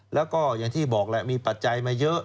แล้วก็อย่างที่บอกแหละมีปัจจัยมาเยอะ